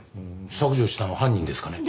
削除したの犯人ですかね？